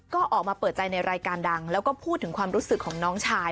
ก็ออกมาเปิดใจในรายการดังแล้วก็พูดถึงความรู้สึกของน้องชาย